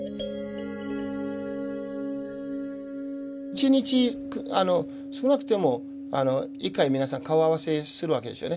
１日少なくても１回皆さん顔合わせするわけですよね。